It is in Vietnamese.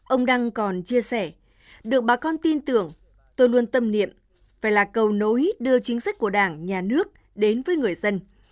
ông đăng còn chia sẻ được bà con tin tưởng tôi luôn tâm niệm phải là cầu nối đưa chính sách của đảng nhà nước đến với người dân